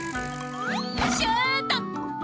シュート！